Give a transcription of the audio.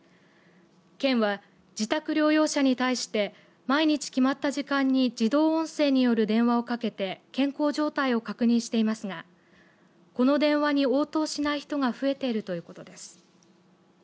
県は、自宅療養者に対して毎日決まった時間に自動音声による電話をかけて健康状態を確認していますがこの電話に応答しない人が増えているということです。